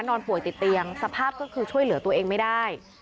นอนป่วยติดเตียงสภาพก็คือช่วยเหลือตัวเองไม่ได้